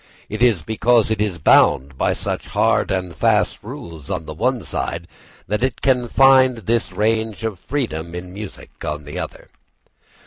It is because it is bound by such hard and fast rules on the one side that it can find this range of freedom in music on the other.